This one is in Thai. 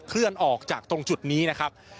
เคลื่อนออกจากตรงจุดนี้นะครับ